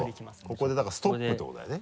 ここでだからストップってことだよね？